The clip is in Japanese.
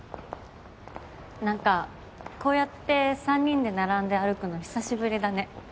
何かこうやって３人で並んで歩くの久しぶりだね。